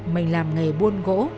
mình làm nghề buôn gỗ